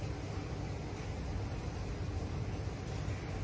สวัสดีครับ